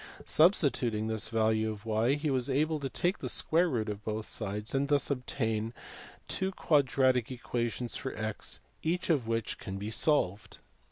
Substituting this value of ?/, he was able to take the square root of both sides, and thus obtain two quadratic equations for x, each of which can be solved.